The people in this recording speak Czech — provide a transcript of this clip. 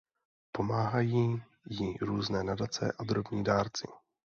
Pomáhají jí různé nadace a drobní dárci.